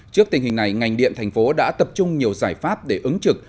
trước tình hình này ngành điện tp hcm đã tập trung nhiều giải pháp để ứng trực